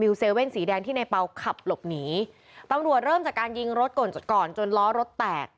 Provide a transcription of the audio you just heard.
เว่นสีแดงที่ในเปล่าขับหลบหนีตำรวจเริ่มจากการยิงรถก่อนจดก่อนจนล้อรถแตก